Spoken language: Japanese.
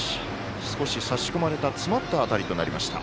少し差し込まれた詰まった当たりとなりました。